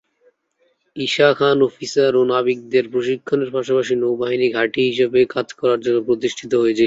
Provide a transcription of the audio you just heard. Isha Khan officer ও নাবিকদের প্রশিক্ষণের পাশাপাশি নৌবাহিনী ঘাঁটি হিসাবে কাজ করার জন্য প্রতিষ্ঠিত হয়েছিল।